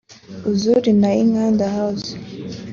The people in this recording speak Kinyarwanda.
Uzuri K&Y na Inkanda house